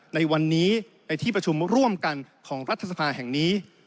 ในวันนี้ในที่ประชุมร่วมกันของรัฐสภาแห่งนี้